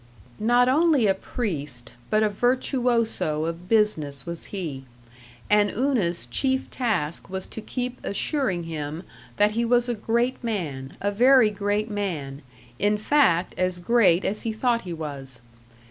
Not only a priest, but a virtuoso of business was he, and Una's chief task was to keep assuring him that he was a great man, a very great man in fact, as great as he thought he was.